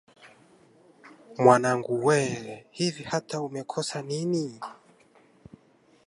Mwanangu wee! Hivi hata umekosa niini!